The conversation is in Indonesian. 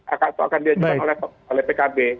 atau akan diajukan oleh pkb